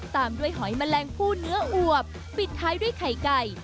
ตามด้วยหอยแมลงผู้เนื้ออวบปิดท้ายด้วยไข่ไก่